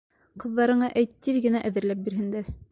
Ҡыҙҙарыңа әйт, тиҙ генә әҙерләп бирһендәр.